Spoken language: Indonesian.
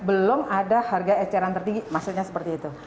belum ada harga eceran tertinggi